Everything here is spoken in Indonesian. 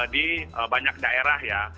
di banyak daerah ya